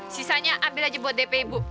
sisanya ambil aja buat dp bu